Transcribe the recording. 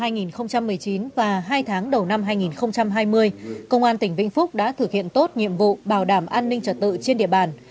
năm hai nghìn một mươi chín và hai tháng đầu năm hai nghìn hai mươi công an tỉnh vĩnh phúc đã thực hiện tốt nhiệm vụ bảo đảm an ninh trật tự trên địa bàn